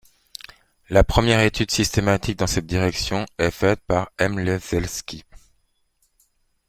La première étude systématique dans cette direction est faite par Hmelevskii.